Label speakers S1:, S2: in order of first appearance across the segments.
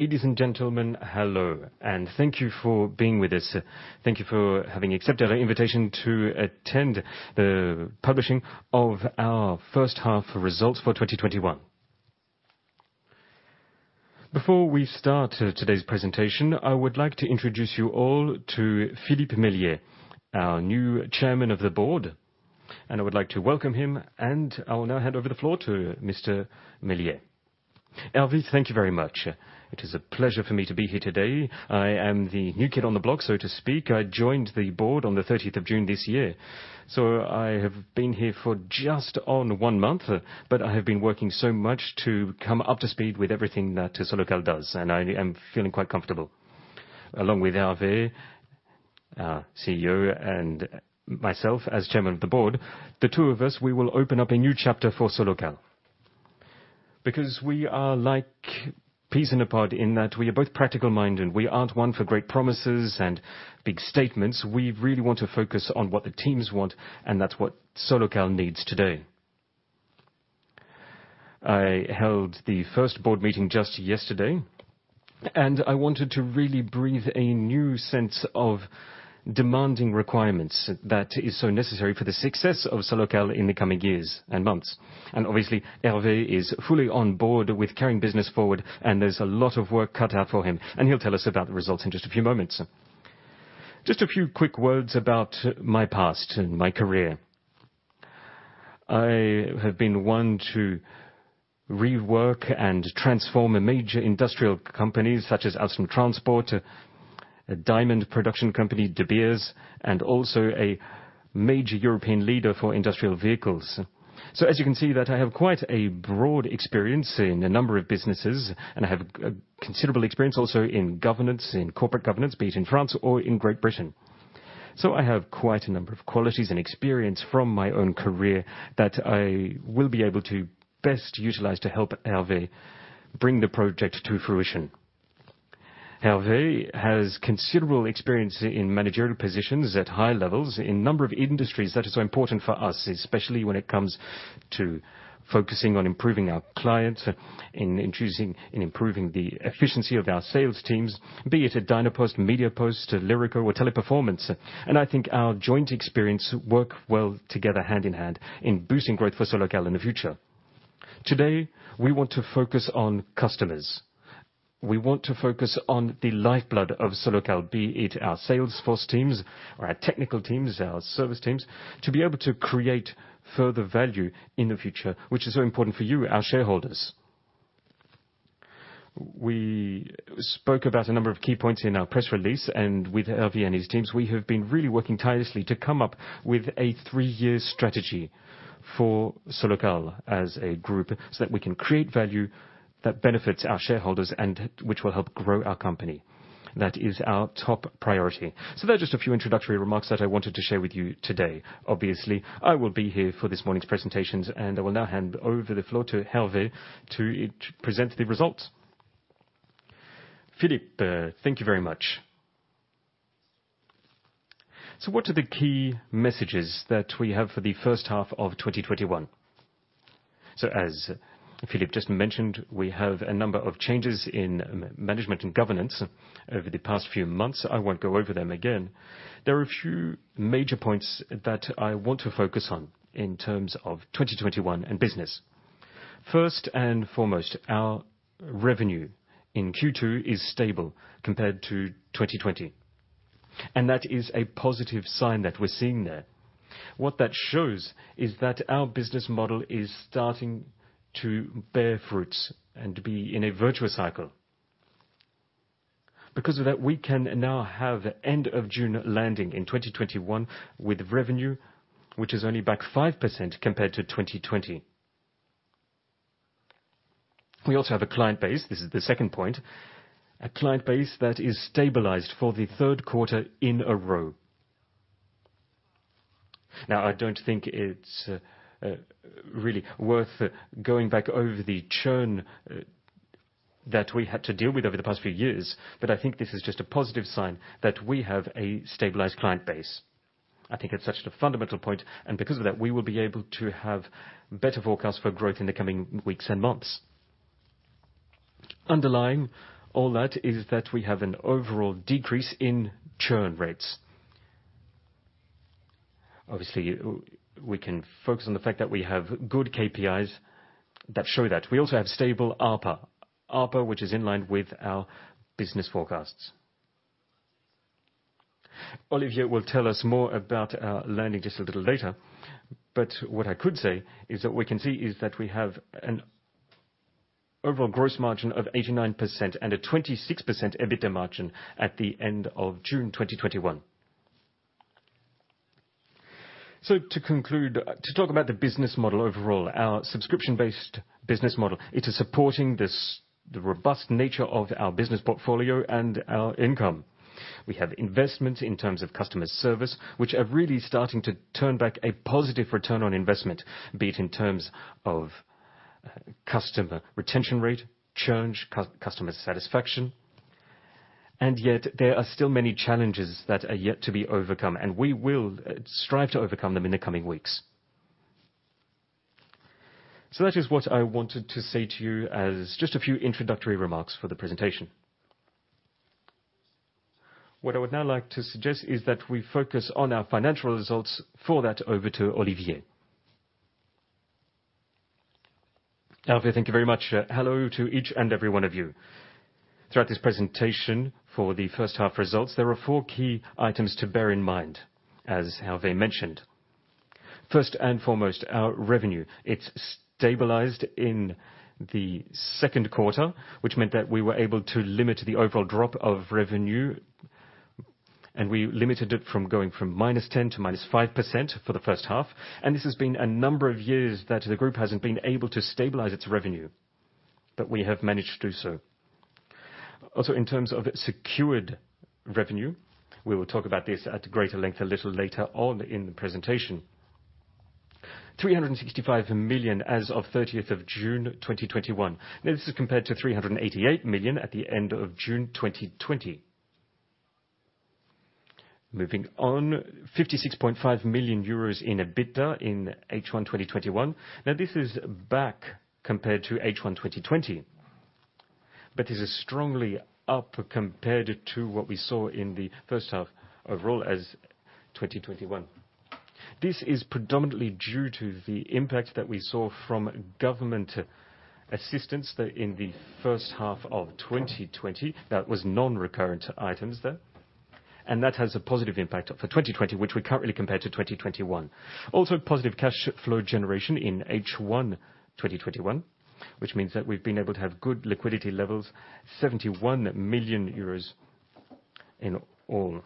S1: Ladies and gentlemen, hello. Thank you for being with us. Thank you for having accepted our invitation to attend the publishing of our H1 Results for 2021. Before we start today's presentation, I would like to introduce you all to Philippe Mellier, our new Chairman of the Board. I would like to welcome him. I will now hand over the floor to Mr. Mellier.
S2: Hervé, thank you very much. It is a pleasure for me to be here today. I am the new kid on the block, so to speak. I joined the board on the 30th of June this year. I have been here for just on one month. I have been working so much to come up to speed with everything that Solocal does. I am feeling quite comfortable. Along with Hervé, our CEO, and myself as Chairman of the Board, the two of us, we will open up a new chapter for Solocal. We are like peas in a pod in that we are both practical-minded, we aren't one for great promises and big statements. We really want to focus on what the teams want, and that's what Solocal needs today. I held the first board meeting just yesterday, and I wanted to really breathe a new sense of demanding requirements that is so necessary for the success of Solocal in the coming years and months. Obviously, Hervé is fully on board with carrying business forward, and there's a lot of work cut out for him, and he'll tell us about the results in just a few moments. Just a few quick words about my past and my career. I have been one to rework and transform major industrial companies such as Alstom Transport, a diamond production company, De Beers, and also a major European leader for industrial vehicles. As you can see that I have quite a broad experience in a number of businesses, and I have considerable experience also in governance, in corporate governance, be it in France or in Great Britain. I have quite a number of qualities and experience from my own career that I will be able to best utilize to help Hervé bring the project to fruition. Hervé has considerable experience in managerial positions at high levels in a number of industries. That is so important for us, especially when it comes to focusing on improving our clients, in improving the efficiency of our sales teams, be it at Docaposte, Mediapost, Lyreco, or Teleperformance. I think our joint experience work well together hand in hand in boosting growth for Solocal in the future. Today, we want to focus on customers. We want to focus on the lifeblood of Solocal, be it our sales force teams or our technical teams, our service teams, to be able to create further value in the future, which is so important for you, our shareholders. We spoke about a number of key points in our press release, with Hervé and his teams, we have been really working tirelessly to come up with a three-year strategy for Solocal as a group so that we can create value that benefits our shareholders and which will help grow our company. That is our top priority. They're just a few introductory remarks that I wanted to share with you today. Obviously, I will be here for this morning's presentations, and I will now hand over the floor to Hervé to present the results.
S1: Philippe, thank you very much. What are the key messages that we have for the H1 of 2021? As Philippe just mentioned, we have a number of changes in management and governance over the past few months. I won't go over them again. There are a few major points that I want to focus on in terms of 2021 and business. First and foremost, our revenue in Q2 is stable compared to 2020, and that is a positive sign that we're seeing there. What that shows is that our business model is starting to bear fruits and be in a virtuous cycle. Because of that, we can now have end of June landing in 2021 with revenue, which is only back 5% compared to 2020. We also have a client base, this is the second point, a client base that is stabilized for the third quarter in a row. I don't think it's really worth going back over the churn that we had to deal with over the past few years. I think this is just a positive sign that we have a stabilized client base. I think it's such a fundamental point. Because of that, we will be able to have better forecast for growth in the coming weeks and months. Underlying all that is that we have an overall decrease in churn rates. Obviously, we can focus on the fact that we have good KPIs that show that. We also have stable ARPA. ARPA, which is in line with our business forecasts. Olivier will tell us more about our learning just a little later. What I could say is that we have an overall gross margin of 89% and a 26% EBITDA margin at the end of June 2021. To conclude, to talk about the business model overall, our subscription-based business model, it is supporting the robust nature of our business portfolio and our income. We have investments in terms of customer service, which are really starting to turn back a positive return on investment, be it in terms of customer retention rate, churn, customer satisfaction. Yet there are still many challenges that are yet to be overcome, and we will strive to overcome them in the coming weeks. That is what I wanted to say to you as just a few introductory remarks for the presentation. What I would now like to suggest is that we focus on our financial results. For that, over to Olivier.
S3: Hervé, thank you very much. Hello to each and every one of you. Throughout this presentation, for the first half results, there are four key items to bear in mind, as Hervé mentioned. First and foremost, our revenue. It stabilized in the second quarter, which meant that we were able to limit the overall drop of revenue, and we limited it from going from -10% to -5% for the first half. This has been a number of years that the group hasn't been able to stabilize its revenue, but we have managed to do so. Also, in terms of secured revenue, we will talk about this at greater length a little later on in the presentation. 365 million as of 30th of June 2021. This is compared to 388 million at the end of June 2020. Moving on. 56.5 million euros in EBITDA in H1 2021. This is back compared to H1 2020, but is strongly up compared to what we saw in the first half overall as 2021. This is predominantly due to the impact that we saw from government assistance that in the H1 of 2020, that was non-recurrent items there, and that has a positive impact for 2020, which we currently compare to 2021. Also, positive cash flow generation in H1 2021, which means that we've been able to have good liquidity levels, 71 million euros in all.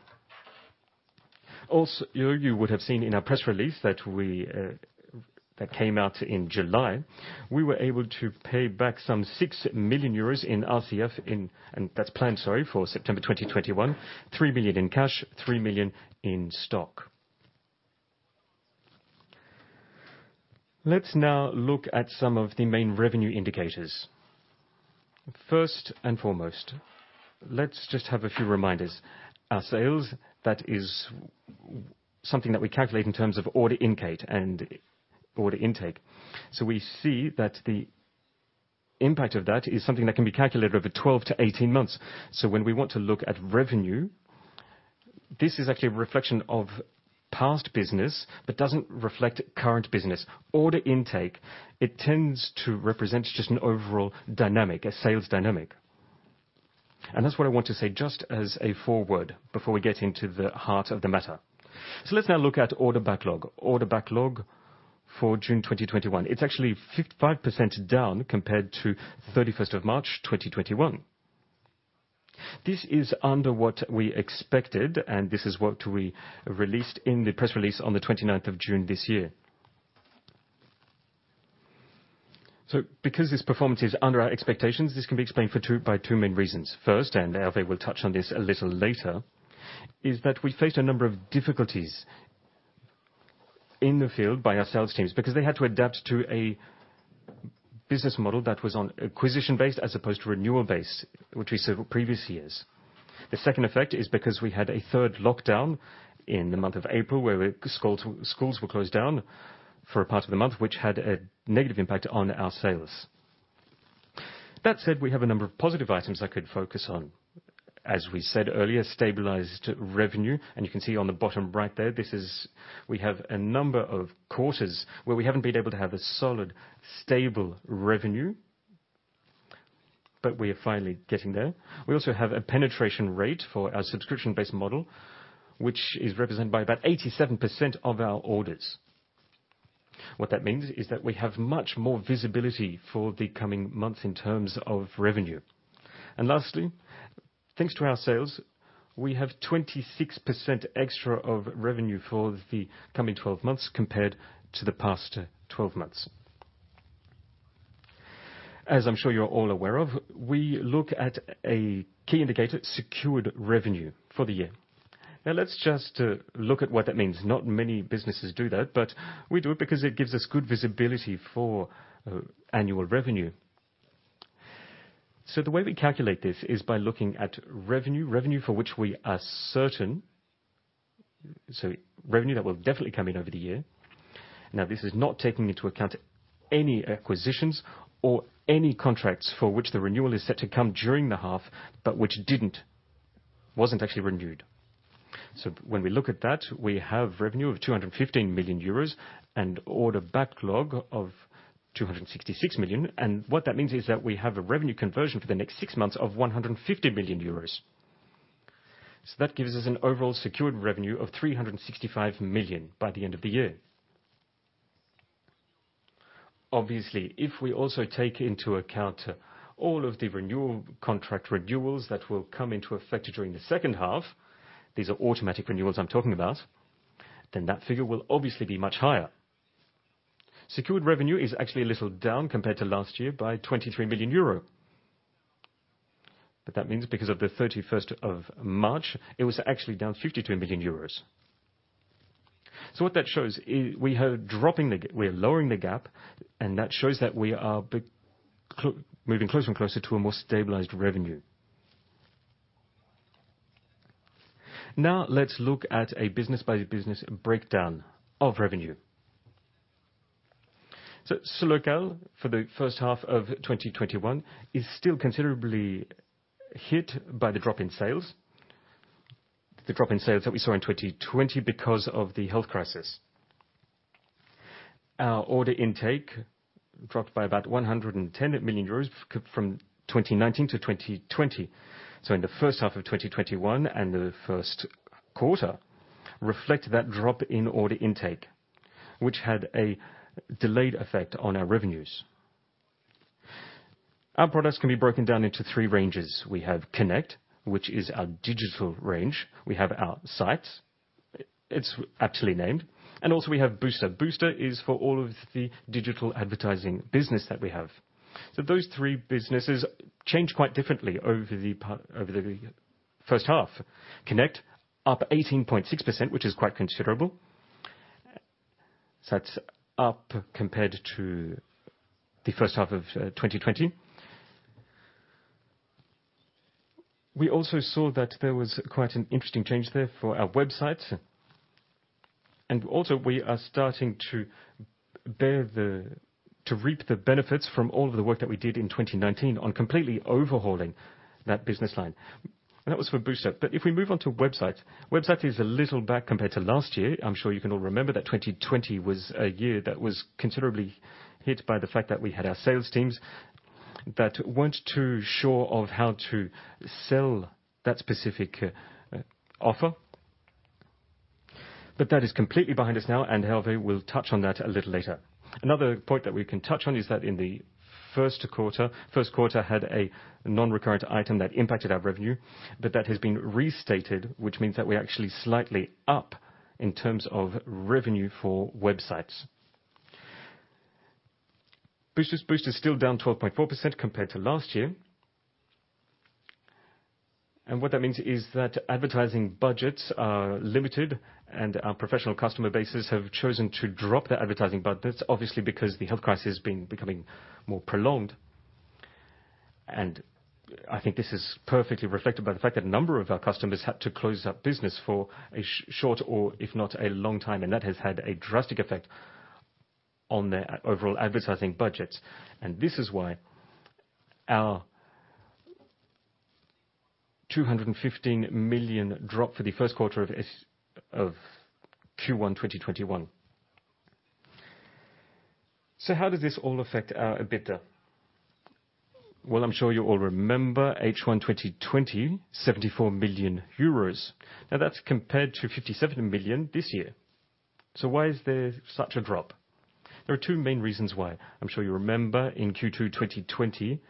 S3: Also, you would have seen in our press release that came out in July, we were able to pay back some 6 million euros in RCF. That's planned, sorry, for September 2021, 3 million in cash, 3 million in stock. Let's now look at some of the main revenue indicators. First and foremost, let's just have a few reminders. Our sales, that is something that we calculate in terms of order intake. We see that the impact of that is something that can be calculated over 12-18 months. When we want to look at revenue, this is actually a reflection of past business, but doesn't reflect current business. Order intake, it tends to represent just an overall dynamic, a sales dynamic. That's what I want to say just as a foreword before we get into the heart of the matter. Let's now look at order backlog. Order backlog for June 2021. It's actually 55% down compared to 31st of March 2021. This is under what we expected, and this is what we released in the press release on the 29th of June this year. Because this performance is under our expectations, this can be explained by two main reasons. First, and Hervé will touch on this a little later, is that we faced a number of difficulties in the field by our sales teams because they had to adapt to a business model that was on acquisition-based as opposed to renewal-based, which we saw previous years. The second effect is because we had a third lockdown in the month of April, where schools were closed down for a part of the month, which had a negative impact on our sales. That said, we have a number of positive items I could focus on. As we said earlier, stabilized revenue. You can see on the bottom right there, we have a number of quarters where we haven't been able to have a solid, stable revenue. We are finally getting there. We also have a penetration rate for our subscription-based model, which is represented by about 87% of our orders. What that means is that we have much more visibility for the coming months in terms of revenue. Lastly, thanks to our sales, we have 26% extra of revenue for the coming 12 months compared to the past 12 months. As I'm sure you're all aware of, we look at a key indicator, secured revenue for the year. Let's just look at what that means. Not many businesses do that, but we do it because it gives us good visibility for annual revenue. The way we calculate this is by looking at revenue for which we are certain, revenue that will definitely come in over the year. This is not taking into account any acquisitions or any contracts for which the renewal is set to come during the half, but which didn't, wasn't actually renewed. When we look at that, we have revenue of 215 million euros and order backlog of 266 million. What that means is that we have a revenue conversion for the next six months of 150 million euros. That gives us an overall secured revenue of 365 million by the end of the year. Obviously, if we also take into account all of the renewal contract renewals that will come into effect during the second half, these are automatic renewals I am talking about, then that figure will obviously be much higher. Secured revenue is actually a little down compared to last year by 23 million euro. That means because of the 31st of March, it was actually down 52 million euros. What that shows, we are lowering the gap, and that shows that we are moving closer and closer to a more stabilized revenue. Now let's look at a business by business breakdown of revenue. Solocal for the H1 of 2021 is still considerably hit by the drop in sales that we saw in 2020 because of the health crisis. Our order intake dropped by about 110 million euros from 2019 to 2020. In the H1 of 2021 and the Q1 reflect that drop in order intake, which had a delayed effect on our revenues. Our products can be broken down into three ranges. We have Connect, which is our digital range. We have our Sites, it's aptly named, and also we have Booster. Booster is for all of the digital advertising business that we have. Those three businesses change quite differently over the first half. Connect up 18.6%, which is quite considerable. That's up compared to the H1 of 2020. We also saw that there was quite an interesting change there for our Websites, and also we are starting to reap the benefits from all of the work that we did in 2019 on completely overhauling that business line, and that was for Booster. If we move on to Websites is a little back compared to last year. I'm sure you can all remember that 2020 was a year that was considerably hit by the fact that we had our sales teams that weren't too sure of how to sell that specific offer. That is completely behind us now, and Hervé will touch on that a little later. Another point that we can touch on is that Q1 had a non-recurrent item that impacted our revenue, but that has been restated, which means that we're actually slightly up in terms of revenue for Websites. Booster is still down 12.4% compared to last year. What that means is that advertising budgets are limited and our professional customer bases have chosen to drop their advertising budgets, obviously, because the health crisis becoming more prolonged. I think this is perfectly reflected by the fact that a number of our customers had to close their business for a short or if not a long time, and that has had a drastic effect on their overall advertising budgets. This is why our 215 million drop for the Q1 of Q1 2021. How does this all affect our EBITDA? Well, I'm sure you all remember H1 2020, 74 million euros. That's compared to 57 million this year. Why is there such a drop? There are two main reasons why. I'm sure you remember in Q2 2020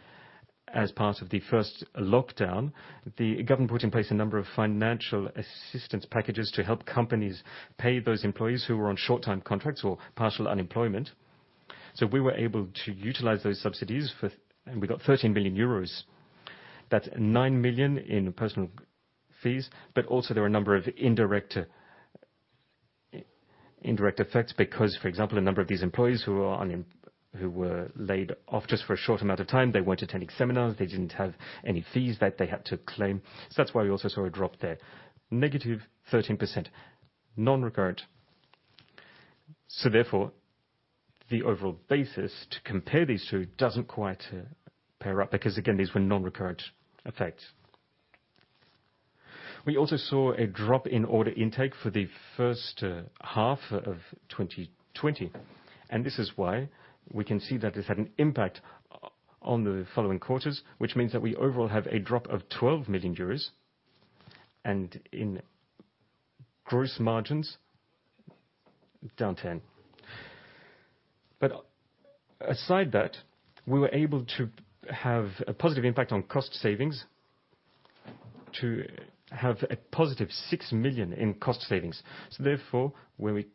S3: as part of the first lockdown, the government put in place a number of financial assistance packages to help companies pay those employees who were on short time contracts or partial unemployment. We were able to utilize those subsidies for, and we got 13 million euros. That's 9 million in personnel fees. Also, there were a number of indirect effects because, for example, a number of these employees who were laid off just for a short amount of time, they weren't attending seminars, they didn't have any fees that they had to claim. That's why we also saw a drop there, negative 13% non-recurrent. Therefore, the overall basis to compare these two doesn't quite pair up because again, these were non-recurrent effects. We also saw a drop in order intake for H1 2020, this is why we can see that this had an impact on the following quarters which means that we overall have a drop of 12 million euros and in gross margins down 10. Aside that, we were able to have a positive impact on cost savings to have a positive 6 million in cost savings. Therefore, when we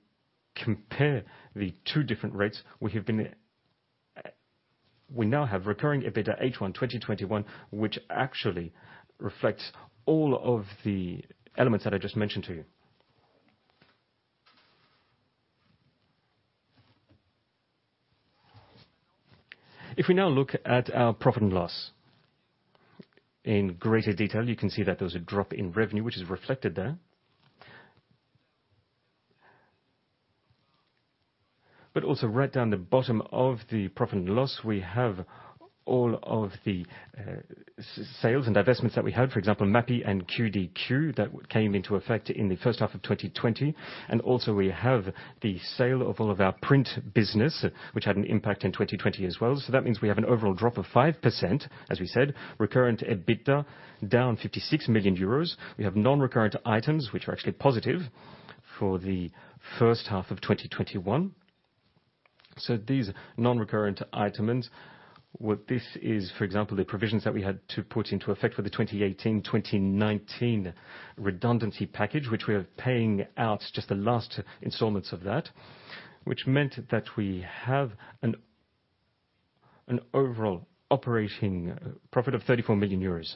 S3: compare the two different rates, we now have recurring EBITDA H1 2021, which actually reflects all of the elements that I just mentioned to you. If we now look at our profit and loss in greater detail, you can see that there's a drop in revenue which is reflected there. Also right down the bottom of the profit and loss, we have all of the sales and divestments that we had. For example, Mappy and QDQ that came into effect in H1 2020. Also we have the sale of all of our print business which had an impact in 2020 as well. That means we have an overall drop of 5%, as we said, recurrent EBITDA down 56 million euros. We have non-recurrent items which are actually positive for H1 2021. These non-recurrent items, what this is, for example, the provisions that we had to put into effect for the 2018, 2019 redundancy package, which we are paying out just the last installments of that, which meant that we have an overall operating profit of 34 million euros.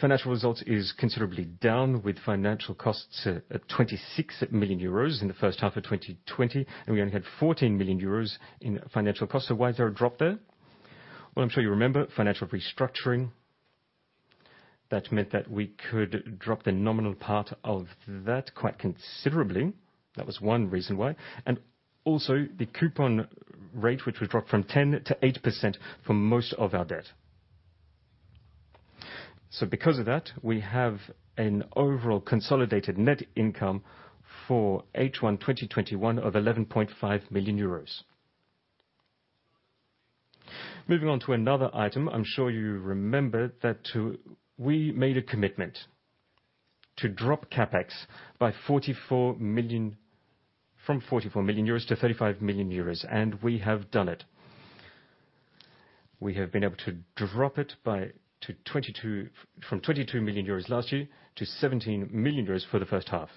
S3: Financial results is considerably down with financial costs at 26 million euros in H1 2020, and we only had 14 million euros in financial costs. Why is there a drop there? Well, I'm sure you remember financial restructuring. That meant that we could drop the nominal part of that quite considerably. That was one reason why, and also the coupon rate, which we dropped from 10%-8% for most of our debt. Because of that, we have an overall consolidated net income for H1 2021 of 11.5 million euros. Moving on to another item, I'm sure you remember that we made a commitment to drop CapEx from 44 million-35 million euros, and we have done it. We have been able to drop it from 22 million euros last year to 17 million euros for the first half.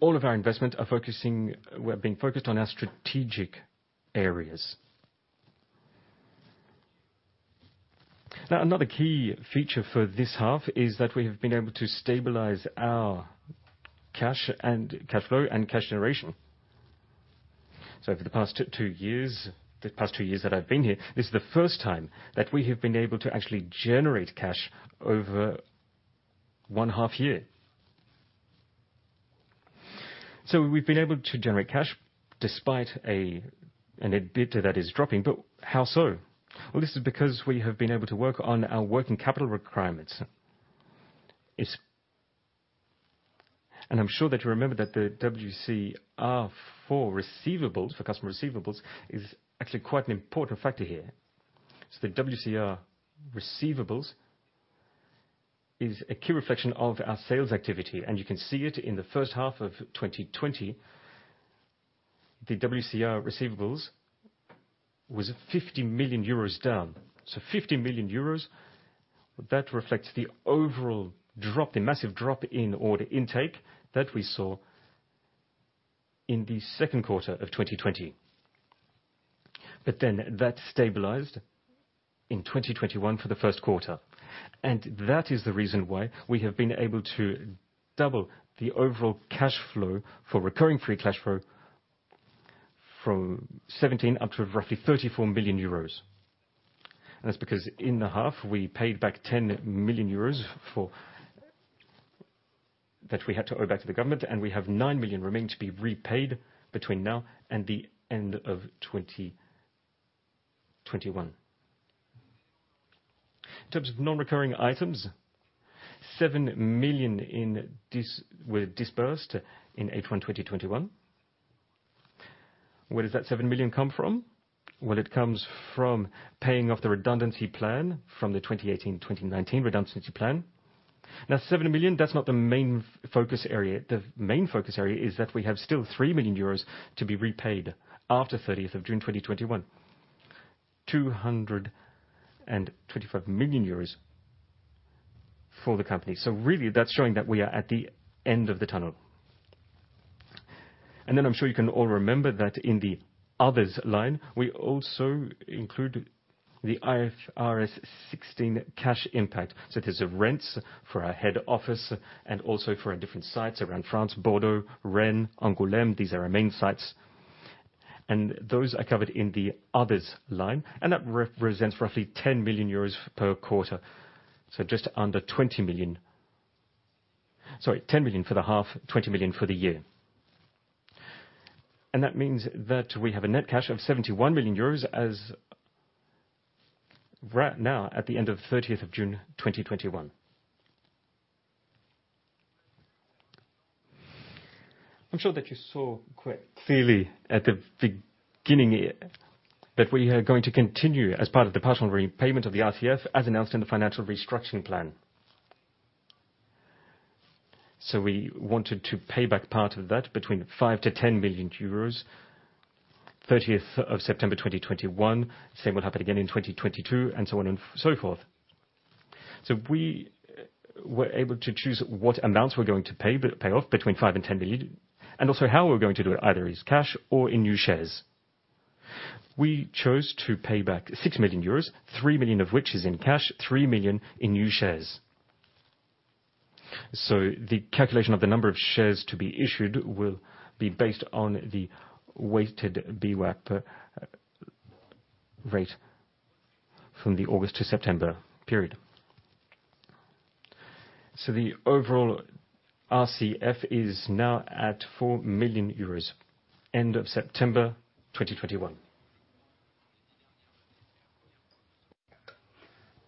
S3: All of our investment were being focused on our strategic areas. Another key feature for this half is that we have been able to stabilize our cash flow and cash generation. For the past two years that I've been here, this is the first time that we have been able to actually generate cash over 1/2 year. We've been able to generate cash despite an EBITDA that is dropping. How so? This is because we have been able to work on our working capital requirements. I'm sure that you remember that the WCR for customer receivables is actually quite an important factor here. The WCR receivables is a key reflection of our sales activity, and you can see it in the H1 of 2020. The WCR receivables was 50 million euros down. 50 million euros, that reflects the massive drop in order intake that we saw in the Q2 of 2020. That stabilized in 2021 for the Q1. That is the reason why we have been able to double the overall cash flow for recurring free cash flow from 17 up to roughly 34 million euros. That's because in the half, we paid back 10 million euros that we had to owe back to the government, and we have 9 million remaining to be repaid between now and the end of 2021. In terms of non-recurring items, 7 million were disbursed in H1 2021. Where does that 7 million come from? Well, it comes from paying off the redundancy plan from the 2018/2019 redundancy plan. Now, 7 million, that's not the main focus area. The main focus area is that we have still 3 million euros to be repaid after 30th of June 2021. 225 million euros for the company. Really that's showing that we are at the end of the tunnel. I'm sure you can all remember that in the others line, we also include the IFRS 16 cash impact, such as the rents for our head office and also for our different sites around France, Bordeaux, Rennes, Angoulême. These are our main sites, and those are covered in the others line, and that represents roughly 10 million euros per quarter. Just under 20 million. Sorry, 10 million for the half, 20 million for the year. That means that we have a net cash of 71 million euros right now at the end of 30th of June 2021. I'm sure that you saw quite clearly at the beginning here that we are going to continue as part of the partial repayment of the RCF as announced in the financial restructuring plan. We wanted to pay back part of that between 5 million-10 million euros 30th of September 2021. Same will happen again in 2022, and so on and so forth. We were able to choose what amounts we're going to pay off, between 5 million and 10 million, and also how we're going to do it, either as cash or in new shares. We chose to pay back 6 million euros, 3 million of which is in cash, 3 million in new shares. The calculation of the number of shares to be issued will be based on the weighted VWAP rate from the August to September period. The overall RCF is now at 4 million euros end of September 2021.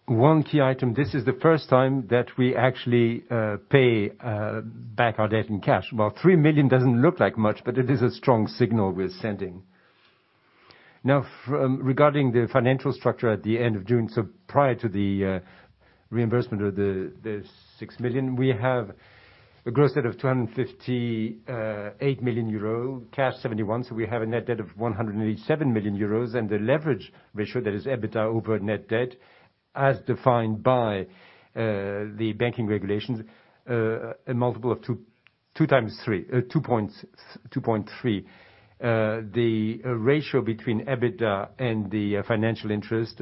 S3: One key item, this is the first time that we actually pay back our debt in cash. 3 million doesn't look like much, but it is a strong signal we're sending. Regarding the financial structure at the end of June, so prior to the reimbursement of the 6 million, we have a gross debt of 258 million euro, cash 71, so we have a net debt of 187 million euros, and the leverage ratio, that is EBITDA over net debt, as defined by the banking regulations, a multiple of 2.3. The ratio between EBITDA and the financial interest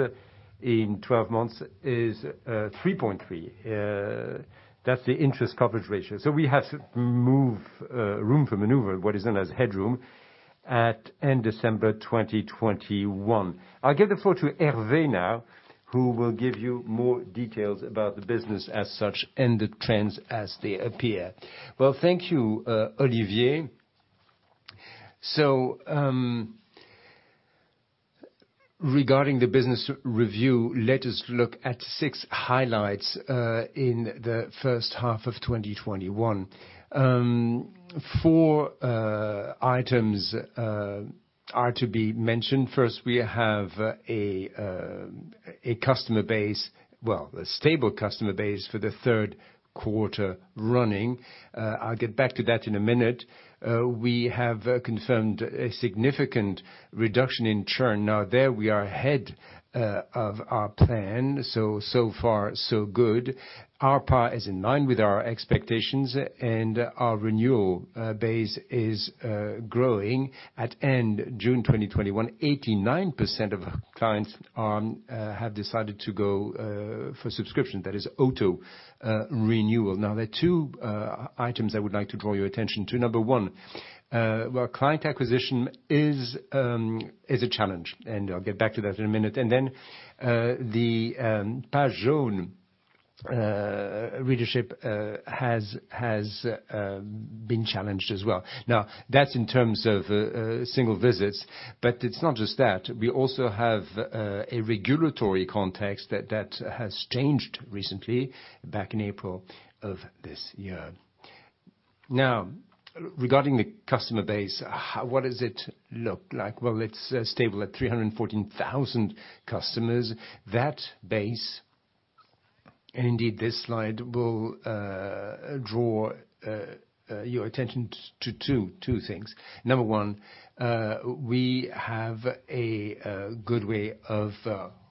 S3: in 12 months is 3.3. That's the interest coverage ratio. We have room for maneuver, what is known as headroom at end December 2021. I'll give the floor to Hervé now, who will give you more details about the business as such and the trends as they appear.
S1: Thank you, Olivier. Regarding the business review, let us look at six highlights in H1 2021. Four items are to be mentioned. First, we have a stable customer base for the Q3 running. I'll get back to that in a minute. We have confirmed a significant reduction in churn. There we are ahead of our plan, so far so good. ARPA is in line with our expectations, and our renewal base is growing. At end June 2021, 89% of clients have decided to go for subscription, that is auto renewal. There are two items I would like to draw your attention to. Number one, client acquisition is a challenge, and I'll get back to that in a minute. The PagesJaunes readership has been challenged as well. That's in terms of single visits, but it's not just that. We also have a regulatory context that has changed recently, back in April of this year. Regarding the customer base, what does it look like? It's stable at 314,000 customers. That base, and indeed, this slide will draw your attention to two things. Number one, we have a good way of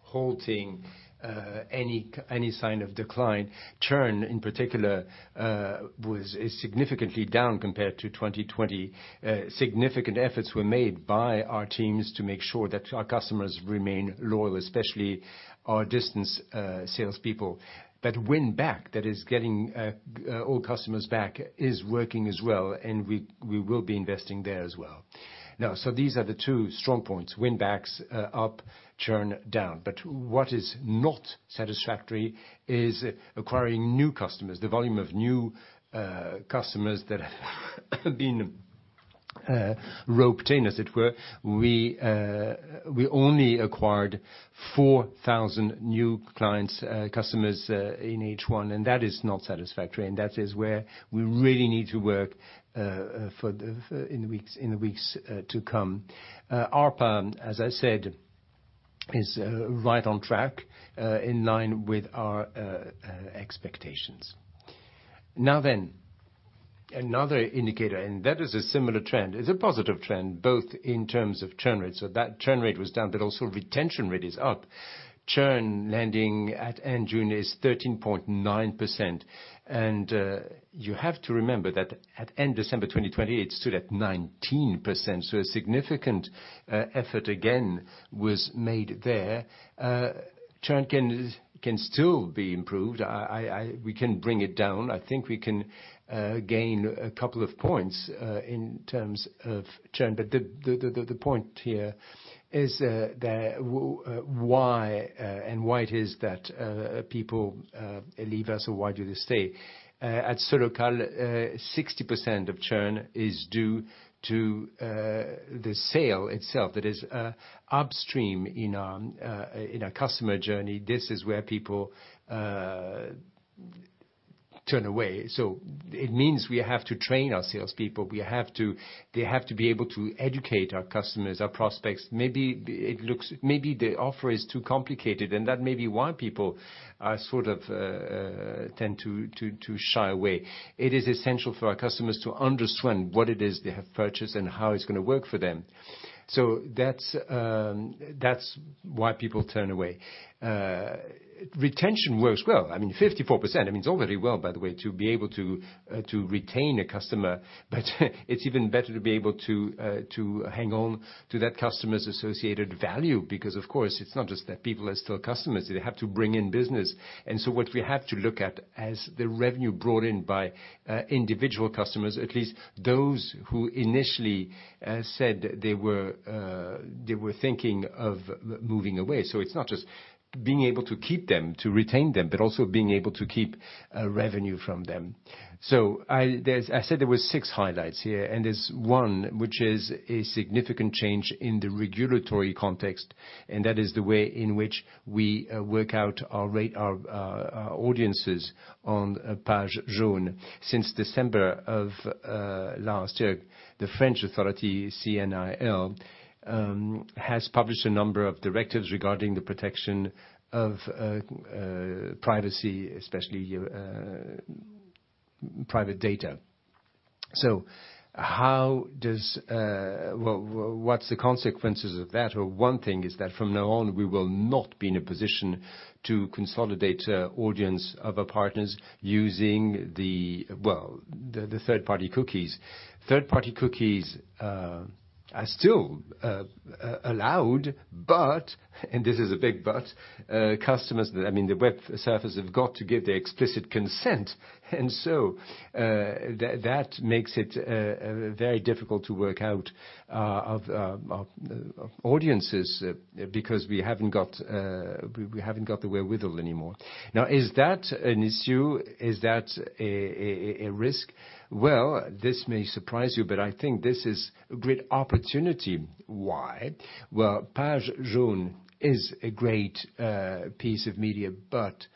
S1: halting any sign of decline. Churn, in particular, is significantly down compared to 2020. Significant efforts were made by our teams to make sure that our customers remain loyal, especially our distance salespeople. That win back, that is getting old customers back, is working as well, and we will be investing there as well. These are the two strong points, win backs up, churn down. What is not satisfactory is acquiring new customers, the volume of new customers that have been roped in, as it were. We only acquired 4,000 new customers in H1, and that is not satisfactory and that is where we really need to work in the weeks to come. ARPA, as I said, is right on track, in line with our expectations. Another indicator, that is a similar trend. It's a positive trend, both in terms of churn rate, so that churn rate was down, but also retention rate is up. Churn landing at end June is 13.9%. You have to remember that at end December 2020, it stood at 19%. A significant effort again was made there. Churn can still be improved. We can bring it down. I think we can gain a couple of points in terms of churn. The point here is that why it is that people leave us or why do they stay? At Solocal, 60% of churn is due to the sale itself. Upstream in our customer journey, this is where people turn away. It means we have to train our salespeople. They have to be able to educate our customers, our prospects. Maybe the offer is too complicated, may be why people sort of tend to shy away. It is essential for our customers to understand what it is they have purchased and how it's going to work for them. That's why people turn away. Retention works well. I mean, 54%, I mean, it's all very well, by the way, to be able to retain a customer, it's even better to be able to hang on to that customer's associated value because, of course, it's not just that people are still customers. They have to bring in business. What we have to look at as the revenue brought in by individual customers, at least those who initially said they were thinking of moving away. It's not just being able to keep them, to retain them, but also being able to keep revenue from them. I said there were six highlights here, and there's one which is a significant change in the regulatory context, and that is the way in which we work out our audiences on PagesJaunes. Since December of last year, the French authority, CNIL, has published a number of directives regarding the protection of privacy, especially private data. What's the consequences of that? Well, one thing is that from now on, we will not be in a position to consolidate audience of our partners using the third-party cookies. Third-party cookies are still allowed, but, and this is a big but, the web surfers have got to give their explicit consent. That makes it very difficult to work out of audiences, because we haven't got the wherewithal anymore. Is that an issue? Is that a risk? This may surprise you, but I think this is a great opportunity. Why? PagesJaunes is a great piece of media, but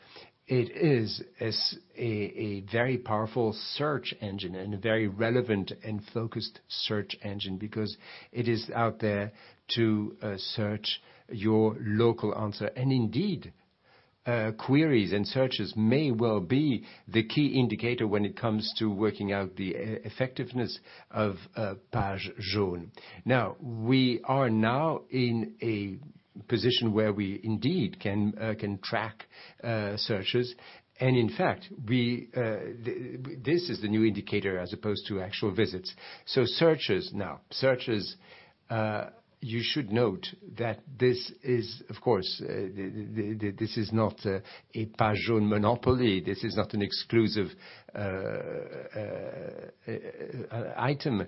S1: it is a very powerful search engine and a very relevant and focused search engine because it is out there to search your local answer. Queries and searches may well be the key indicator when it comes to working out the effectiveness of PagesJaunes. We are now in a position where we indeed can track searches, and in fact, this is the new indicator as opposed to actual visits. Searches now. Searches, you should note that this is, of course, this is not a PagesJaunes monopoly. This is not an exclusive item.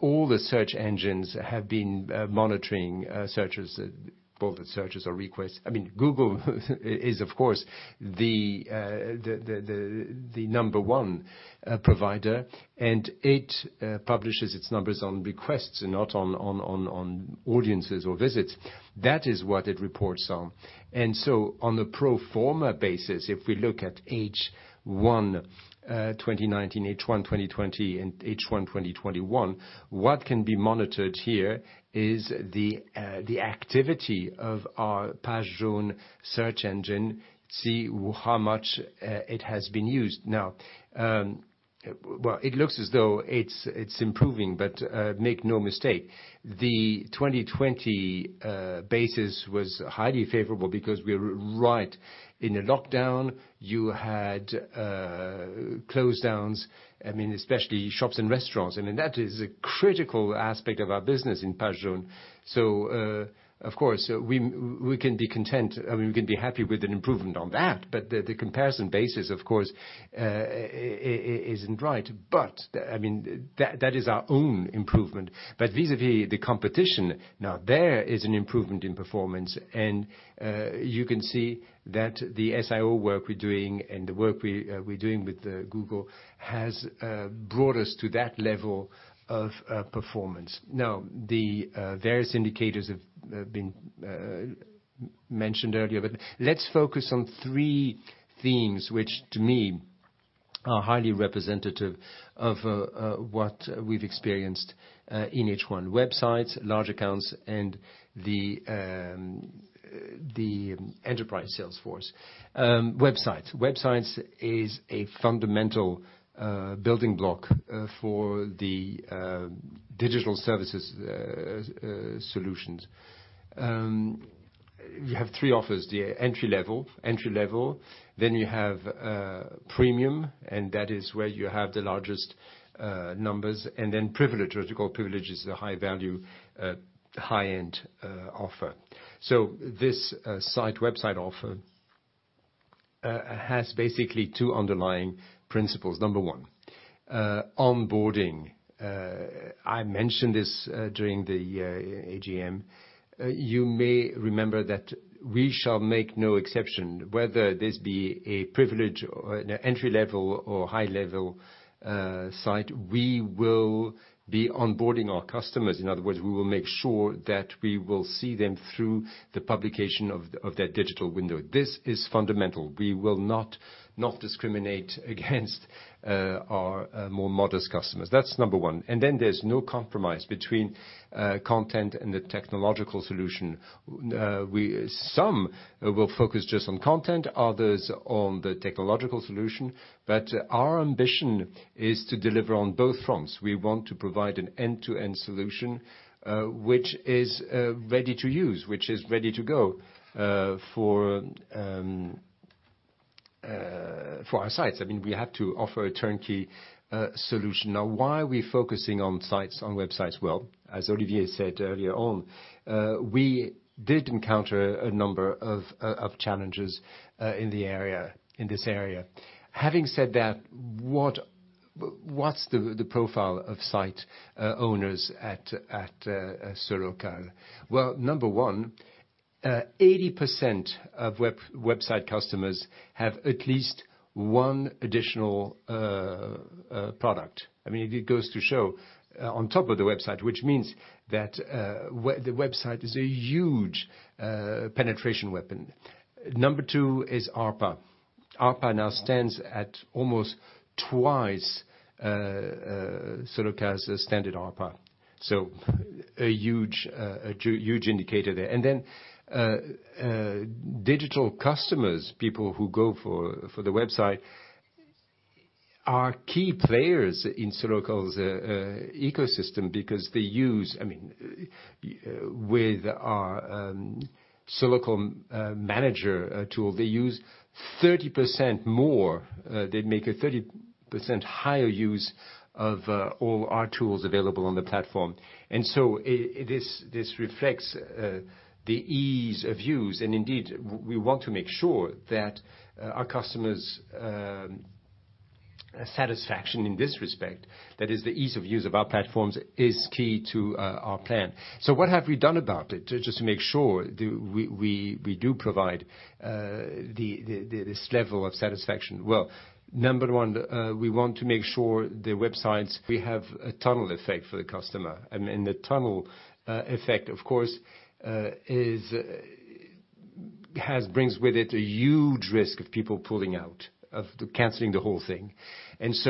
S1: All the search engines have been monitoring searches, both searches or requests. Google is, of course, the number one provider, and it publishes its numbers on requests and not on audiences or visits. That is what it reports on. On a pro forma basis, if we look at H1 2019, H1 2020, and H1 2021, what can be monitored here is the activity of our PagesJaunes search engine to see how much it has been used. Now, well, it looks as though it's improving, but make no mistake, the 2020 basis was highly favorable because we're right in a lockdown. You had closedowns, especially shops and restaurants, and that is a critical aspect of our business in PagesJaunes. Of course, we can be content. We can be happy with an improvement on that. The comparison basis, of course, isn't right. That is our own improvement. Vis-à-vis the competition, there is an improvement in performance, and you can see that the SEO work we're doing and the work we're doing with Google has brought us to that level of performance. The various indicators have been mentioned earlier, but let's focus on three themes, which to me are highly representative of what we've experienced in H1 Websites, large accounts, and the enterprise sales force. Websites. Websites is a fundamental building block for the digital services solutions. We have three offers, the entry-level, then you have Premium, and that is where you have the largest numbers, and then Privilege, what you call Privilege is the high-value, high-end offer. This Websites offer has basically two underlying principles. Number one, onboarding. I mentioned this during the AGM. You may remember that we shall make no exception whether this be a Privilege or an entry-level or high-level Site, we will be onboarding our customers. In other words, we will make sure that we will see them through the publication of their digital window. This is fundamental. We will not discriminate against our more modest customers. That's number one. There's no compromise between content and the technological solution. Some will focus just on content, others on the technological solution, but our ambition is to deliver on both fronts. We want to provide an end-to-end solution, which is ready to use, which is ready to go for our Sites. We have to offer a turnkey solution. Now, why are we focusing on Websites? Well, as Olivier said earlier on, we did encounter a number of challenges in this area. What's the profile of site owners at Solocal? Well, number one, 80% of website customers have at least one additional product. It goes to show on top of the website, which means that the website is a huge penetration weapon. Number two is ARPA. ARPA now stands at almost twice Solocal's standard ARPA. A huge indicator there. Then digital customers, people who go for the website are key players in Solocal's ecosystem because with our Solocal Manager tool, they make a 30% higher use of all our tools available on the platform. So this reflects the ease of use. Indeed, we want to make sure that our customers' satisfaction in this respect, that is the ease of use of our platforms, is key to our plan. What have we done about it just to make sure we do provide this level of satisfaction? Well, number one, we want to make sure the Websites we have a tunnel effect for the customer. The tunnel effect, of course, brings with it a huge risk of people pulling out, of canceling the whole thing. This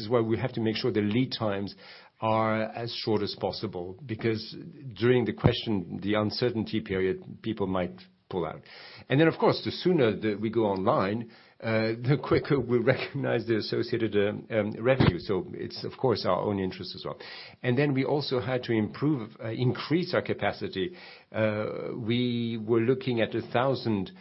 S1: is why we have to make sure the lead times are as short as possible, because during the question, the uncertainty period, people might pull out. Then, of course, the sooner that we go online, the quicker we recognize the associated revenue. It's of course our own interest as well. Then we also had to increase our capacity. We were looking at 1,000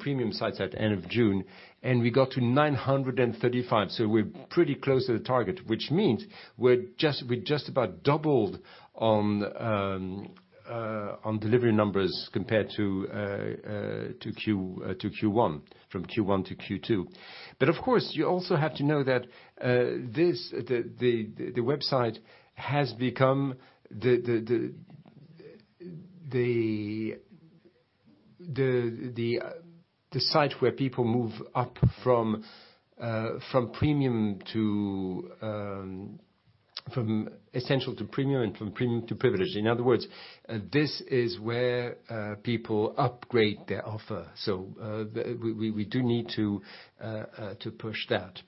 S1: Premium sites at the end of June, and we got to 935. We're pretty close to the target, which means we just about doubled on delivery numbers compared from Q1 to Q2. Of course, you also have to know that the website has become the site where people move up from Essential to Premium and from Premium to Privilege. In other words, this is where people upgrade their offer. We do need to push that.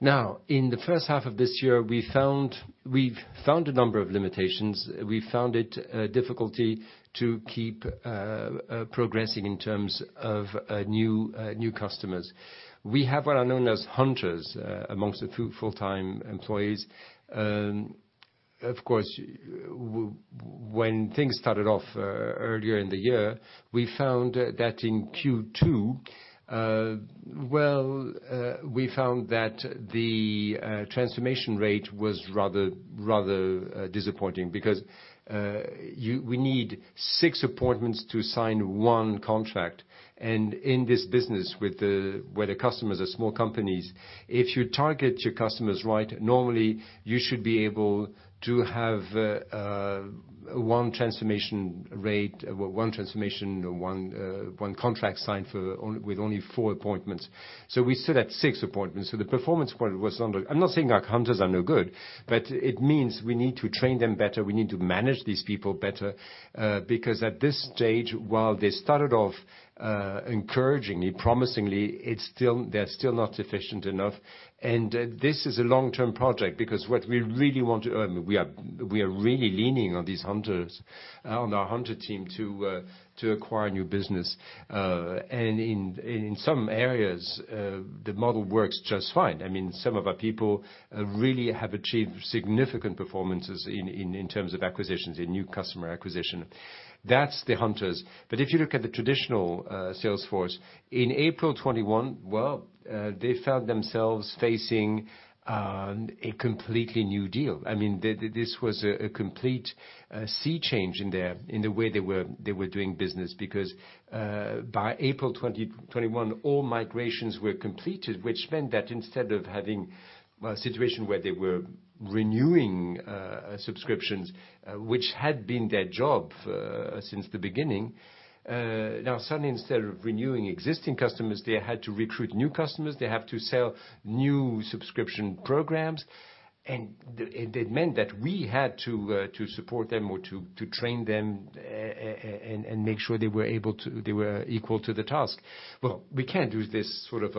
S1: Now, in the first half of this year, we've found a number of limitations. We found it difficulty to keep progressing in terms of new customers. We have what are known as hunters amongst the full-time employees. Of course, when things started off earlier in the year, we found that in Q2, the transformation rate was rather disappointing because we need six appointments to sign one contract. In this business where the customers are small companies, if you target your customers right, normally you should be able to have one transformation or one contract signed with only four appointments. We sit at six appointments. The performance part was I'm not saying our hunters are no good, but it means we need to train them better. We need to manage these people better, because at this stage, while they started off encouragingly, promisingly, they're still not efficient enough. This is a long-term project because we are really leaning on these hunters, on our hunter team to acquire new business. In some areas, the model works just fine. Some of our people really have achieved significant performances in terms of acquisitions, in new customer acquisition. That's the hunters. If you look at the traditional sales force, in April 2021, they found themselves facing a completely new deal. This was a complete sea change in the way they were doing business because by April 2021, all migrations were completed, which meant that instead of having a situation where they were renewing subscriptions, which had been their job since the beginning. Now suddenly, instead of renewing existing customers, they had to recruit new customers. They have to sell new subscription programs. It meant that we had to support them or to train them, and make sure they were equal to the task. Well, we can't do this sort of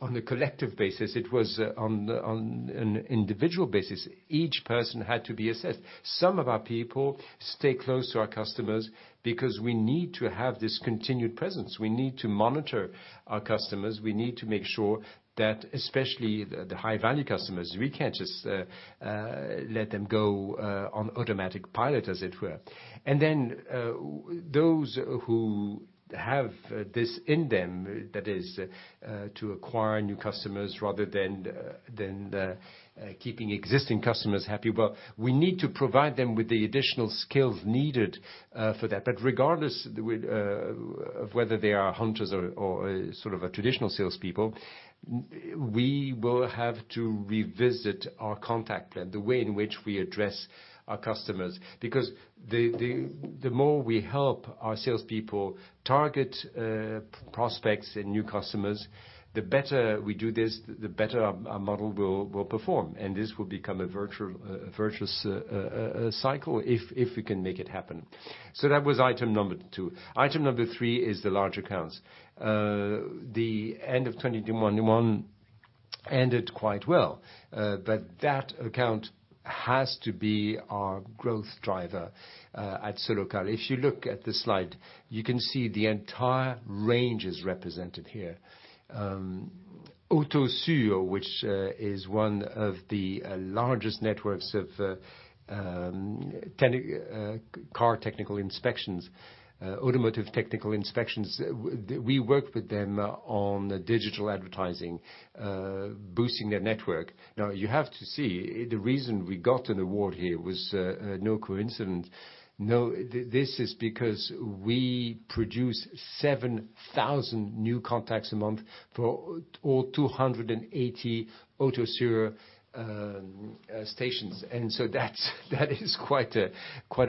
S1: on a collective basis. It was on an individual basis. Each person had to be assessed. Some of our people stay close to our customers because we need to have this continued presence. We need to monitor our customers. We need to make sure that especially the high-value customers, we can't just let them go on automatic pilot, as it were. Those who have this in them, that is, to acquire new customers rather than keeping existing customers happy, well, we need to provide them with the additional skills needed for that. Regardless of whether they are hunters or sort of a traditional salespeople, we will have to revisit our contact plan, the way in which we address our customers. The more we help our salespeople target prospects and new customers, the better we do this, the better our model will perform. This will become a virtuous cycle if we can make it happen. That was item number two. Item number three is the large accounts. The end of 2021 ended quite well. That account has to be our growth driver at Solocal. If you look at the slide, you can see the entire range is represented here. Autosur, which is one of the largest networks of car technical inspections, automotive technical inspections, we work with them on digital advertising, boosting their network. Now, you have to see, the reason we got an award here was no coincidence. This is because we produce 7,000 new contacts a month for all 280 Autosur stations. That is quite a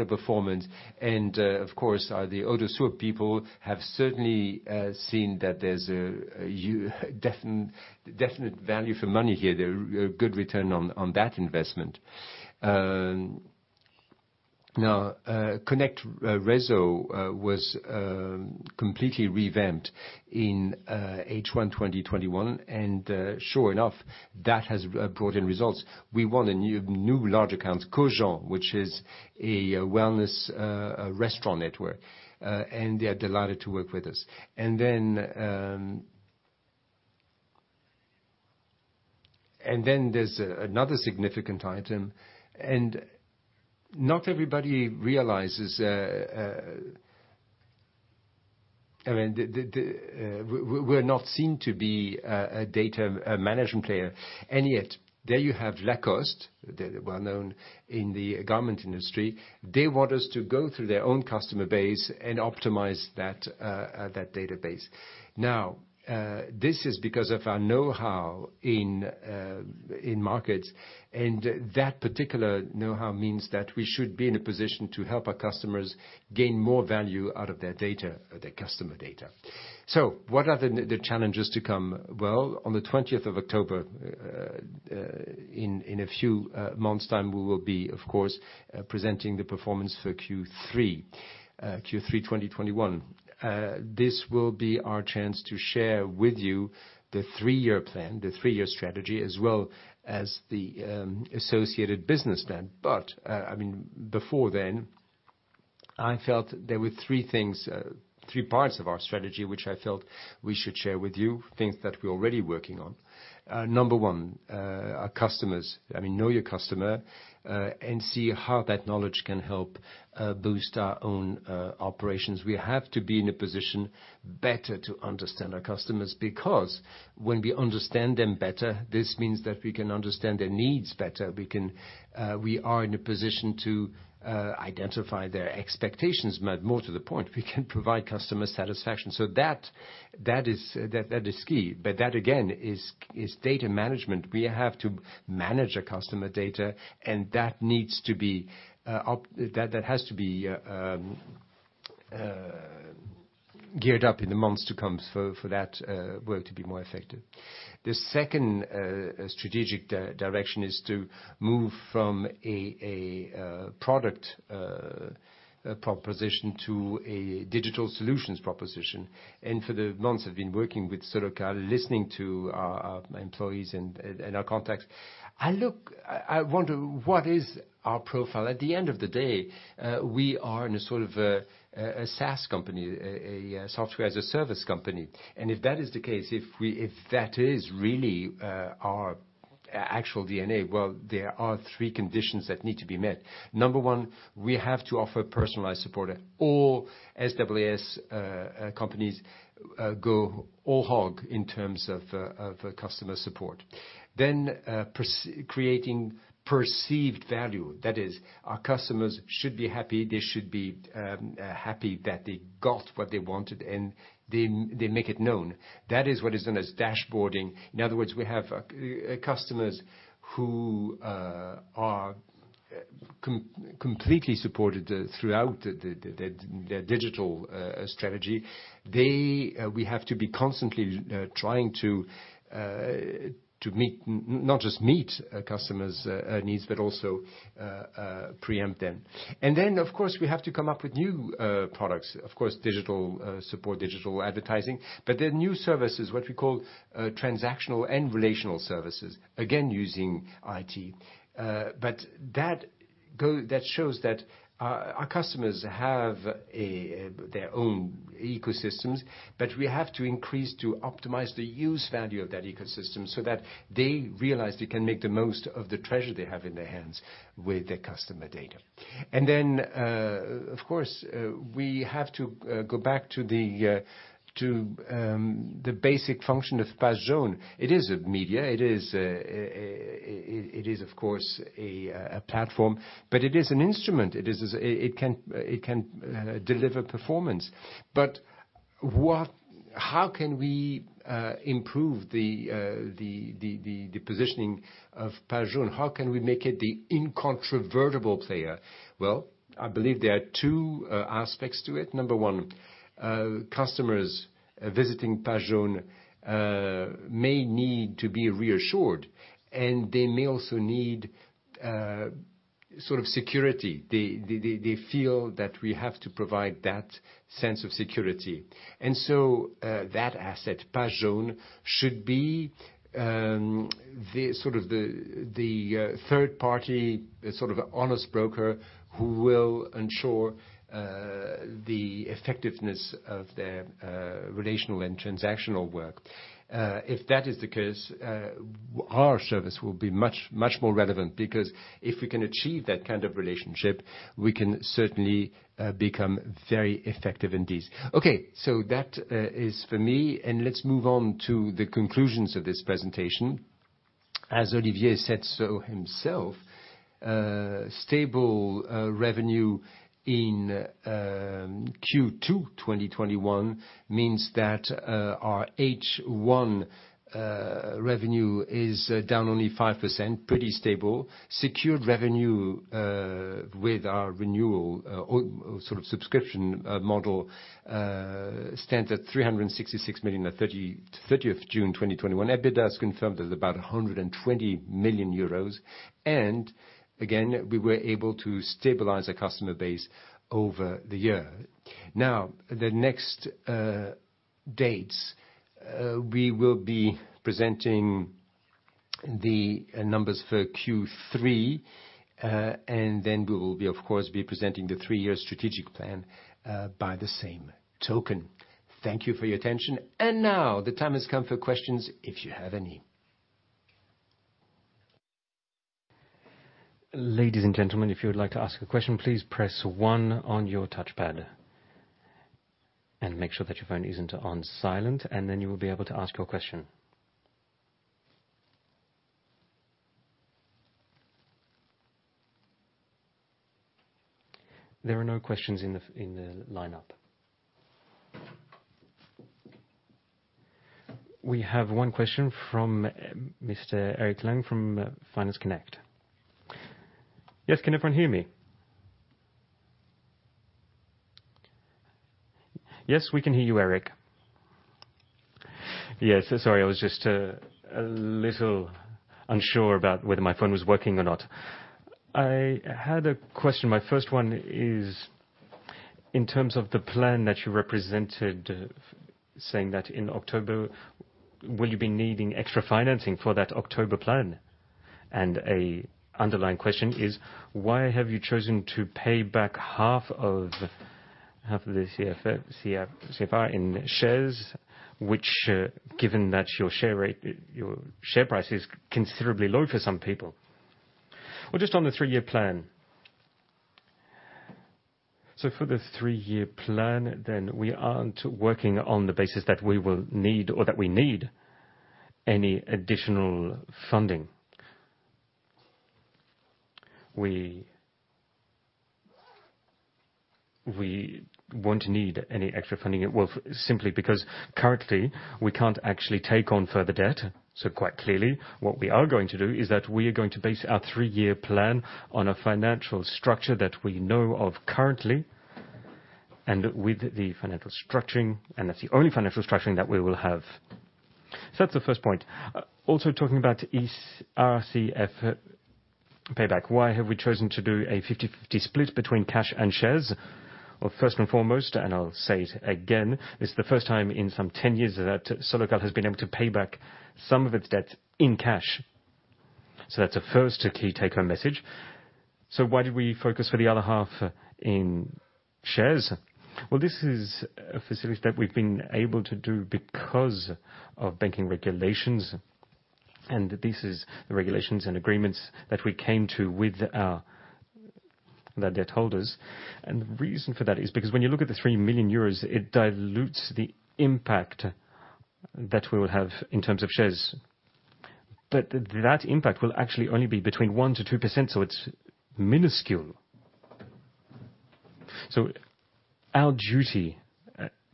S1: performance. Of course, the Autosur people have certainly seen that there's a definite value for money here. They're a good return on that investment. Now, Connect Réseau was completely revamped in H1 2021, and sure enough, that has brought in results. We won a new large account, Cojean, which is a wellness restaurant network, and they are delighted to work with us. Then there's another significant item, and not everybody realizes, we're not seen to be a data management player. Yet there you have Lacoste. They're well-known in the garment industry. They want us to go through their own customer base and optimize that database. Now, this is because of our know-how in markets, and that particular know-how means that we should be in a position to help our customers gain more value out of their customer data. What are the challenges to come? Well, on the 20th of October, in a few months' time, we will be, of course, presenting the performance for Q3 2021. This will be our chance to share with you the three-year plan, the three-year strategy, as well as the associated business plan. Before then, I felt there were three parts of our strategy, which I felt we should share with you, things that we're already working on. Number one, our customers. Know your customer, and see how that knowledge can help boost our own operations. We have to be in a position better to understand our customers, because when we understand them better, this means that we can understand their needs better. We are in a position to identify their expectations, but more to the point, we can provide customer satisfaction. That is key. That, again, is data management. We have to manage our customer data, and that has to be geared up in the months to come for that work to be more effective. The second strategic direction is to move from a product proposition to a digital solutions proposition. For the months I've been working with Solocal, listening to our employees and our contacts, I wonder what is our profile? At the end of the day, we are in a sort of a SaaS company, a software-as-a-service company. If that is the case, if that is really our actual DNA, well, there are three conditions that need to be met. Number one, we have to offer personalized support. All SaaS companies go all hog in terms of customer support. Creating perceived value. That is, our customers should be happy. They should be happy that they got what they wanted, and they make it known. That is what is known as dashboarding. In other words, we have customers who are completely supported throughout their digital strategy. We have to be constantly trying to not just meet customers' needs, but also preempt them. Of course, we have to come up with new products. Of course, digital support, digital advertising, they're new services, what we call transactional and relational services, again, using IT. That shows that our customers have their own ecosystems, we have to increase to optimize the use value of that ecosystem so that they realize they can make the most of the treasure they have in their hands with their customer data. Of course, we have to go back to the basic function of PagesJaunes. It is a media. It is, of course, a platform, it is an instrument. It can deliver performance. How can we improve the positioning of PagesJaunes? How can we make it the incontrovertible player? Well, I believe there are two aspects to it. Number one, customers visiting PagesJaunes may need to be reassured. They may also need security. They feel that we have to provide that sense of security. That asset, PagesJaunes, should be the third party, sort of honest broker who will ensure the effectiveness of their relational and transactional work. If that is the case, our service will be much more relevant, because if we can achieve that kind of relationship, we can certainly become very effective indeed. That is for me, and let's move on to the conclusions of this presentation. As Olivier said so himself, stable revenue in Q2 2021 means that our H1 revenue is down only 5%, pretty stable. Secured revenue with our renewal or subscription model stands at 366 million at 30th June 2021. EBITDA is confirmed at about 120 million euros. Again, we were able to stabilize our customer base over the year. The next dates, we will be presenting the numbers for Q3. We will, of course, be presenting the three-year strategic plan by the same token. Thank you for your attention. The time has come for questions if you have any.
S4: Ladies and gentlemen, if you would like to ask a question, please press one on your touchpad. Make sure that your phone isn't on silent, then you will be able to ask your question. There are no questions in the lineup. We have one question from Mr. Eric Lang from Finance Connect.
S5: Yes, can everyone hear me?
S3: Yes, we can hear you, Eric.
S5: Yes. Sorry, I was just a little unsure about whether my phone was working or not. I had a question. My first one is, in terms of the plan that you represented, saying that in October, will you be needing extra financing for that October plan? A underlying question is, why have you chosen to pay back half of the RCF in shares, which given that your share price is considerably low for some people?
S3: Just on the three-year plan. For the three-year plan, then we aren't working on the basis that we will need or that we need any additional funding. We won't need any extra funding. Simply because currently, we can't actually take on further debt. Quite clearly, what we are going to do is that we are going to base our three-year plan on a financial structure that we know of currently, and with the financial structuring, and that's the only financial structuring that we will have. That's the first point. Talking about RCF payback, why have we chosen to do a 50-50 split between cash and shares? First and foremost, and I'll say it again, this is the first time in some ten years that Solocal has been able to pay back some of its debt in cash. That's a first key take-home message. Why did we focus for the other half in shares? Well, this is a facility that we've been able to do because of banking regulations. This is the regulations and agreements that we came to with our debt holders. The reason for that is because when you look at the 3 million euros, it dilutes the impact that we will have in terms of shares. That impact will actually only be between 1%-2%, so it's minuscule. Our duty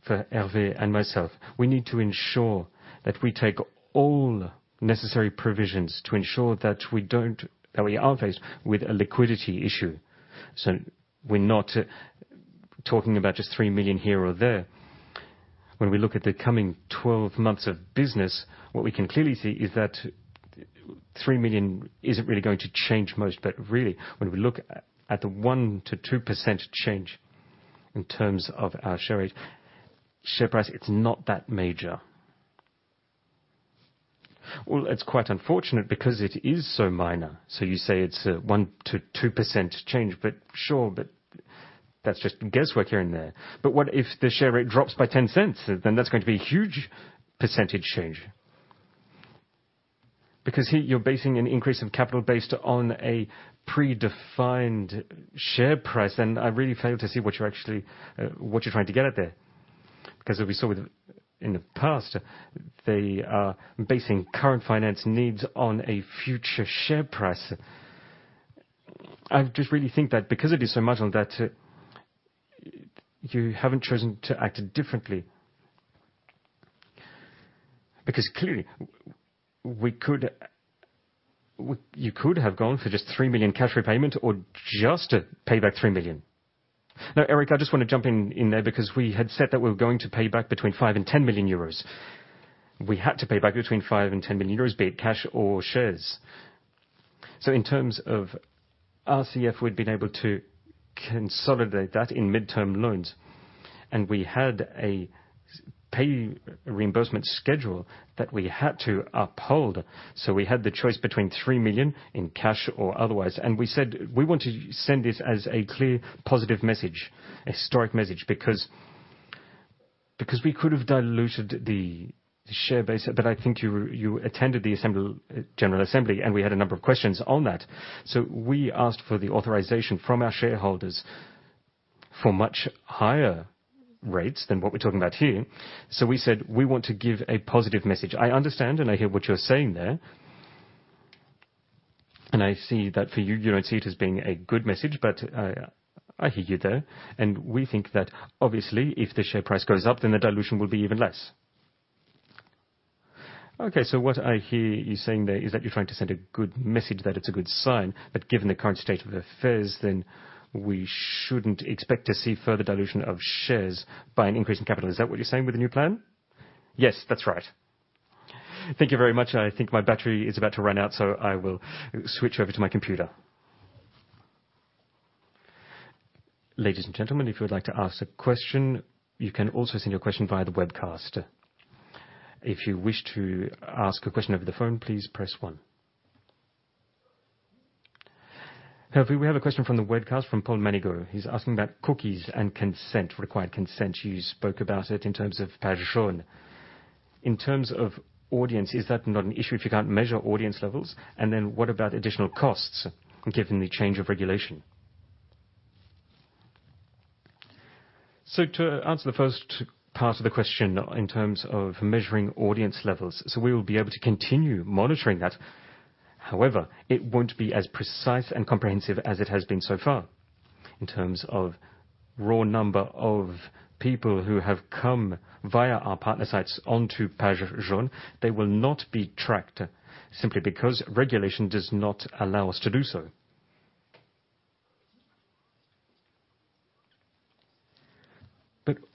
S3: for Hervé and myself, we need to ensure that we take all necessary provisions to ensure that we aren't faced with a liquidity issue. We're not talking about just 3 million here or there. When we look at the coming 12 months of business, what we can clearly see is that 3 million isn't really going to change much. Really, when we look at the 1%-2% change in terms of our share price, it's not that major.
S5: It's quite unfortunate because it is so minor. You say it's a 1%-2% change, sure, that's just guesswork here and there. What if the share rate drops by 0.10? That's going to be a huge % change. Here you're basing an increase in capital based on a predefined share price, then I really fail to see what you're trying to get at there. As we saw in the past, they are basing current finance needs on a future share price. I just really think that because it is so marginal that you haven't chosen to act differently. Clearly, you could have gone for just 3 million cash repayment or just pay back 3 million.
S3: No, Eric, I just want to jump in there because we had said that we were going to pay back between 5 million and 10 million euros. We had to pay back between 5 million and 10 million euros, be it cash or shares. In terms of RCF, we'd been able to consolidate that in midterm loans, and we had a pay reimbursement schedule that we had to uphold. We had the choice between 3 million in cash or otherwise, and we said we want to send this as a clear positive message, a historic message, because we could have diluted the share base. I think you attended the general assembly, and we had a number of questions on that. We asked for the authorization from our shareholders for much higher rates than what we're talking about here. We said we want to give a positive message. I understand, and I hear what you're saying there. I see that for you don't see it as being a good message, but I hear you there. We think that obviously if the share price goes up, then the dilution will be even less.
S5: Okay. What I hear you saying there is that you're trying to send a good message, that it's a good sign. Given the current state of affairs, then we shouldn't expect to see further dilution of shares by an increase in capital. Is that what you're saying with the new plan?
S3: Yes, that's right. Thank you very much. I think my battery is about to run out, so I will switch over to my computer.
S4: Ladies and gentlemen, if you would like to ask a question, you can also send your question via the webcast. If you wish to ask a question over the phone, please press one. Hervé, we have a question from the webcast from Paul Manigo. He's asking about cookies and consent, required consent. You spoke about it in terms of PagesJaunes. In terms of audience, is that not an issue if you can't measure audience levels? What about additional costs given the change of regulation?
S1: To answer the first part of the question in terms of measuring audience levels, so we will be able to continue monitoring that. However, it won't be as precise and comprehensive as it has been so far in terms of raw number of people who have come via our partner sites onto PagesJaunes. They will not be tracked simply because regulation does not allow us to do so.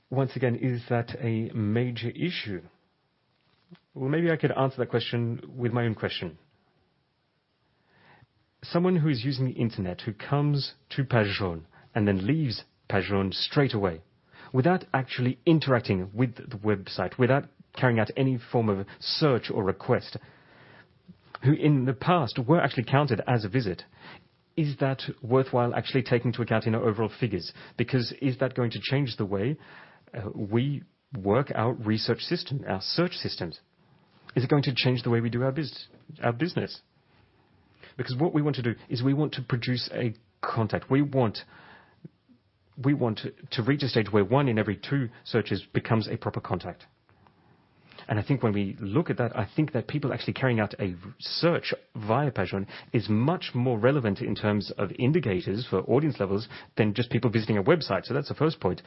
S4: Once again, is that a major issue?
S1: Well, maybe I could answer that question with my own question. Someone who is using the Internet, who comes to PagesJaunes and then leaves PagesJaunes straight away without actually interacting with the website, without carrying out any form of search or request, who in the past were actually counted as a visit. Is that worthwhile actually taking into account in our overall figures? Is that going to change the way we work our research system, our search systems? Is it going to change the way we do our business? What we want to do is we want to produce a contact. We want to reach a stage where one in every two searches becomes a proper contact. I think when we look at that, I think that people actually carrying out a search via PagesJaunes is much more relevant in terms of indicators for audience levels than just people visiting a website. That's the first point.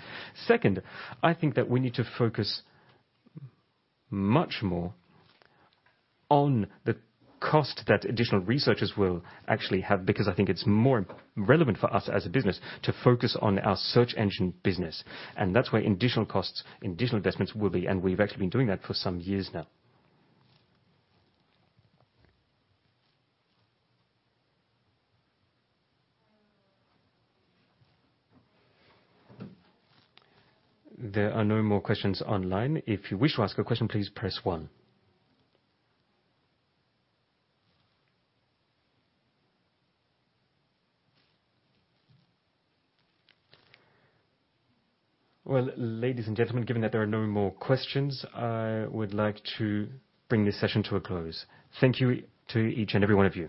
S1: Second, I think that we need to focus much more on the cost that additional researchers will actually have, because I think it's more relevant for us as a business to focus on our search engine business, and that's where additional costs, additional investments will be. We've actually been doing that for some years now.
S4: There are no more questions online. If you wish to ask your question please press one. Well, ladies and gentlemen, given that there are no more questions, I would like to bring this session to a close. Thank you to each and every one of you.